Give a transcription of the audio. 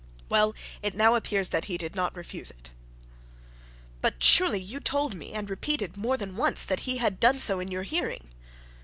'Well; it now appears that he did not refuse it.' 'But surely you told me, and repeated it more than once, that he had done so in your hearing.'